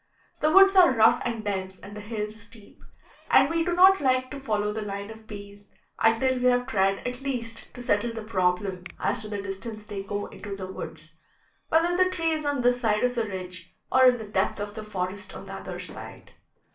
The woods are rough and dense and the hill steep, and we do not like to follow the line of bees until we have tried at least to settle the problem as to the distance they go into the woods whether the tree is on this side of the ridge or in the depth of the forest on the other side.